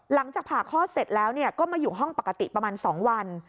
หลังจากผ่าคลอดเสร็จแล้วก็มาอยู่ห้องปกติประมาณ๒วัน